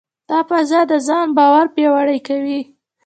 دا فضا د ځان باور پیاوړې کوي.